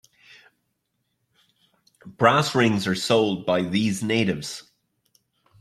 Brass rings are sold by these natives.